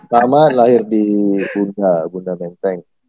mama lahir di bunda bunda menteng